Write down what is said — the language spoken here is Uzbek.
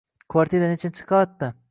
Kvartira nechinchi qavatda?